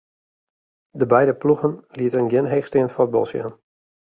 De beide ploegen lieten gjin heechsteand fuotbal sjen.